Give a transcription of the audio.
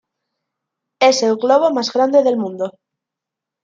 Es el globo más grande del mundo.